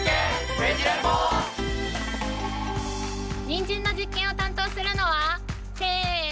ニンジンの実験を担当するのはせの！